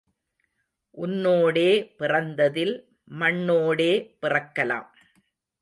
உன்னோடே பிறந்ததில் மண்ணோடே பிறக்கலாம்.